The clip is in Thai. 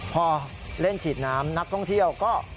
พอเล่นฉีดน้ำนักท่องเที่ยวก็